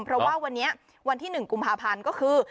เพราะว่าวันนี้วันที่๑กุมภาพันธ์ก็คือ